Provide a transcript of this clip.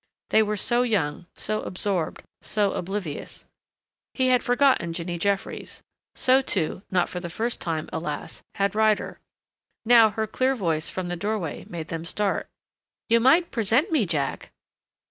They were so young, so absorbed, so oblivious.... He had forgotten Jinny Jeffries. So too, not for the first time, alas! had Ryder. Now her clear voice from the doorway made them start. "You might present me, Jack."